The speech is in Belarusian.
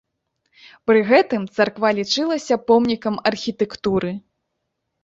Пры гэтым царква лічылася помнікам архітэктуры.